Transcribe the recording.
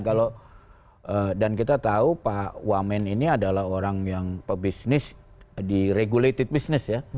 kalau dan kita tahu pak wamen ini adalah orang yang pebisnis di regulated business ya